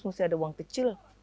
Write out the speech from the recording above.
mesti ada uang kecil